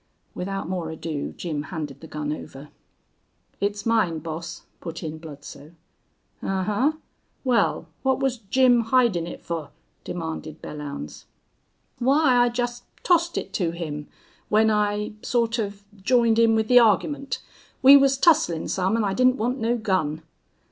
Without more ado Jim handed the gun over. "It's mine, boss," put in Bludsoe. "Ahuh? Wal, what was Jim hidin' it fer?" demanded Belllounds. "Why, I jest tossed it to him when I sort of j'ined in with the argyment. We was tusslin' some an' I didn't want no gun."